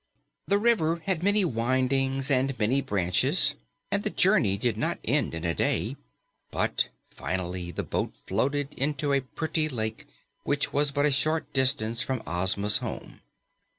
The river had many windings and many branches, and the journey did not end in a day, but finally the boat floated into a pretty lake which was but a short distance from Ozma's home.